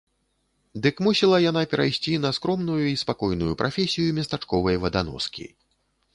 Дык мусіла яна перайсці на скромную і спакойную прафесію местачковай ваданоскі.